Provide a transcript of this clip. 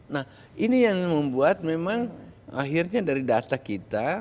nah ini yang membuat memang akhirnya dari data kita